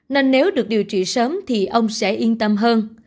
nên nếu được điều trị sớm thì ông sẽ yên tâm hơn